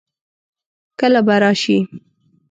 کله به راشي؟